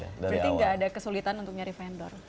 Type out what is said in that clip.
berarti nggak ada kesulitan untuk nyari vendor